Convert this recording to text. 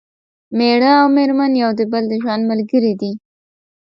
مېړه او مېرمن یو د بل د ژوند ملګري دي